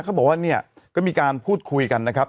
เขาบอกว่าเนี่ยก็มีการพูดคุยกันนะครับ